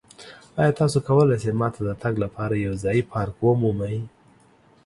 ایا تاسو کولی شئ ما ته د تګ لپاره یو ځایی پارک ومومئ؟